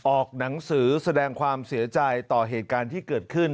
ออกหนังสือแสดงความเสียใจต่อเหตุการณ์ที่เกิดขึ้น